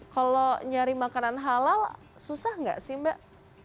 kalau nyari makanan halal susah nggak sih mbak